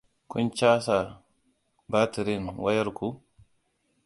Kun caja batirin wayar ku?